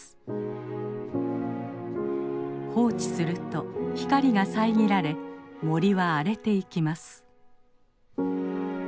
放置すると光が遮られ森は荒れていきます。